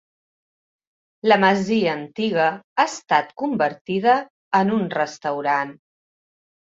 La masia antiga ha estat convertida en un restaurant.